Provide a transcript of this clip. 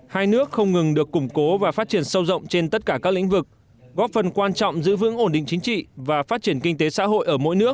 hai nước không ngừng được củng cố và phát triển sâu rộng trên tất cả các lĩnh vực góp phần quan trọng giữ vững ổn định chính trị và phát triển kinh tế xã hội ở mỗi nước